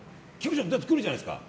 だって、来るじゃないですか。